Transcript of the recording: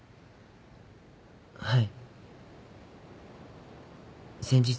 はい。